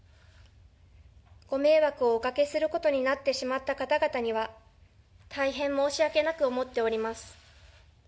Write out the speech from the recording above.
ご迷惑をおかけすることになってしまった方々には、大変申し訳なく思っております。